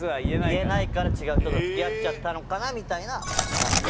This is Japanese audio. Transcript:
言えないから違う人と付き合っちゃったのかなみたいな感じで。